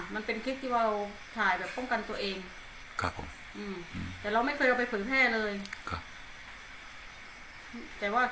มันเป็นคลิปที่เราถ่ายแบบป้องกันตัวเอง